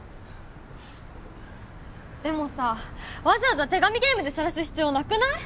でもさわざわざ手紙ゲームでさらす必要なくない？